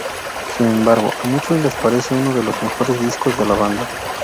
Sin embargo, a muchos les parece uno de los mejores discos de la banda.